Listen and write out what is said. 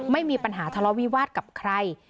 ไม่มีปัญหาทะเลาะวิวาสกับใคร